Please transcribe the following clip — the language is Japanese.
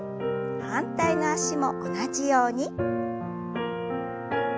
反対の脚も同じように。